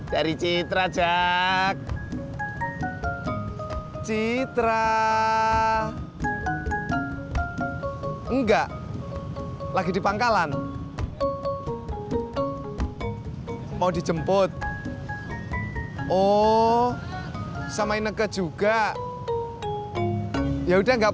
dari citra jack citra enggak lagi di pangkalan mau dijemput oh sama ineke juga ya udah nggak